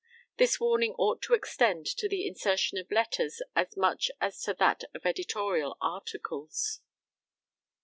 This warning ought to extend to the insertion of letters as much as to that of editorial articles.